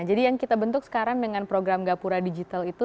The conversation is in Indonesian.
jadi yang kita bentuk sekarang dengan program gapura digital itu